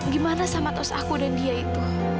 gimana sama tos aku dan dia itu